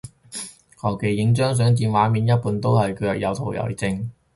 求其影張相佔畫面一半都係腳，有圖為證